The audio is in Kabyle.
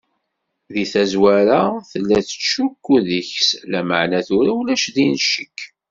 Di tazwara, tella tettcukku deg-s, lameɛna tura ulac din ccek.